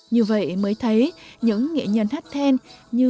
như vậy mới thấy những nghệ nhân hát trầu đều phải biết hát biết đàn và biết múa thành thạo